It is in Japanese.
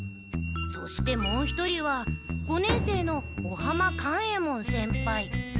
そしてもう一人は五年生の尾浜勘右衛門先輩。